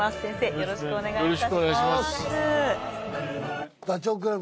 よろしくお願いします。